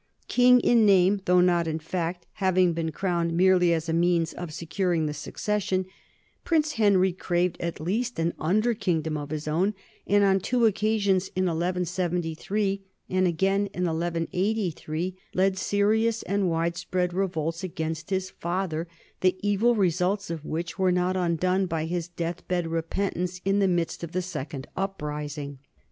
King in name though not in fact, having been crowned merely 120 NORMANS IN EUROPEAN HISTORY as a means of securing the succession, Prince Henry craved at least an under kingdom of his own, and on two occasions, in 1173 and again in 1183, led serious and widespread revolts against his father, the evil results of which were not undone by his death bed re pentance in the midst of the second uprising.